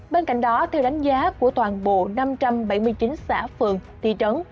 bên cạnh đó theo đánh giá của toàn bộ năm trăm bảy mươi chín xã phường thị trấn